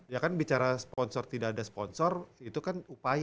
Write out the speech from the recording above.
ya kan bicara sponsor tidak ada sponsor itu kan upaya